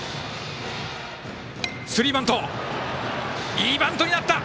いいバントになった。